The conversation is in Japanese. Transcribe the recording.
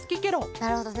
なるほどね。